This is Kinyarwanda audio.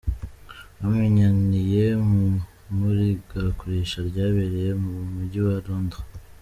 Bamenyaniye mu imurikagurisha ryabereye mu mujyi wa Londres.